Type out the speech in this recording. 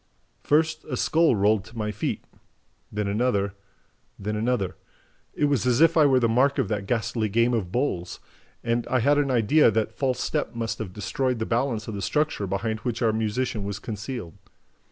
"First a skull rolled to my feet ... then another ... then another ... It was as if I were the mark of that ghastly game of bowls. And I had an idea that false step must have destroyed the balance of the structure behind which our musician was concealed.